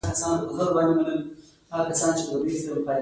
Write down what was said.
ممکن د استدلال قوه مو تېروتنه وکړي.